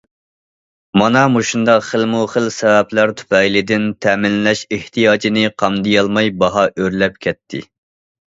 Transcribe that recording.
مانا مۇشۇنداق خىلمۇ خىل سەۋەبلەر تۈپەيلىدىن تەمىنلەش ئېھتىياجىنى قامدىيالماي باھا ئۆرلەپ كەتتى.